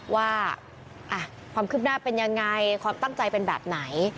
ว่าความคืบหน้าเป็นยังไงความตั้งใจเป็นแบบไหน